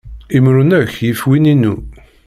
Imru-nnek yif win-inu.